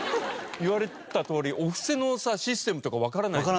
言われてたとおりお布施のさシステムとかわからない。